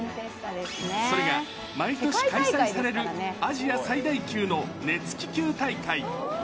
それが毎年開催されるアジア最大級の熱気球大会。